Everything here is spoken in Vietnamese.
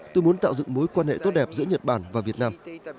tôi muốn tạo dựng mối quan hệ tốt đẹp giữa nhật bản và việt nam